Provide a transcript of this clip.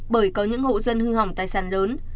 bởi có những hộ dân hư hỏng tài sản lớn